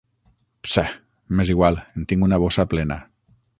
Pse, m'és igual, en tinc una bossa plena.